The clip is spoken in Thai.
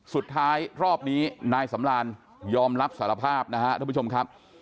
สุดท้ายรอบนี้นายสำราญยอมรับสารภาพนะฮะทุกผู้ชมครับ